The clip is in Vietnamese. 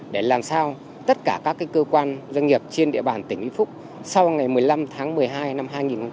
để làm sao tất cả các cơ quan doanh nghiệp trên địa bàn tỉnh vĩnh phúc sau ngày một mươi năm tháng một mươi hai năm hai nghìn hai mươi ba